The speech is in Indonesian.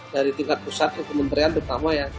dari tingkat pusat ke kementerian terutama ya